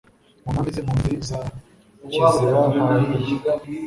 mu nkambi z impunzi za Kiziba hahiye